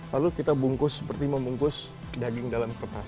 lalu kita bungkus seperti membungkus daging dalam kertas